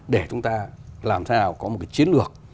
để chúng ta làm sao có một cái chiến lược